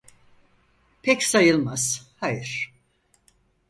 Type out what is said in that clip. Pek sayılmaz, hayır.